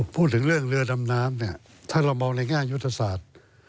พูดถึงเรือดำน้ำถ้าเรามองในง่ายุทธศาสตร์